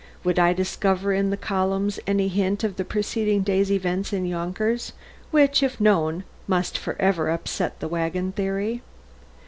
Would I discover in the columns any hint of the preceding day's events in Yonkers, which, if known, must for ever upset the wagon theory?